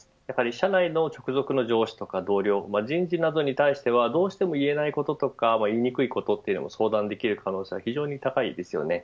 社内の直属の上司とか同僚人事などに対してはどうしても言えないこととか言いにくいことも相談できる可能性が非常に高いです。